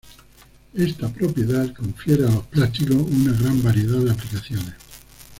Esta propiedad confiere a los plásticos una gran variedad de aplicaciones.